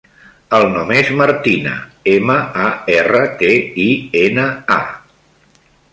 El nom és Martina: ema, a, erra, te, i, ena, a.